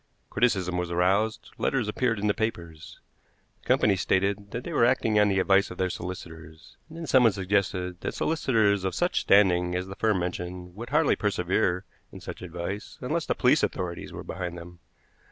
Criticism was aroused; letters appeared in the papers. The company stated that they were acting on the advice of their solicitors, and then someone suggested that solicitors of such standing as the firm mentioned would hardly persevere in such advice unless the police authorities were behind them.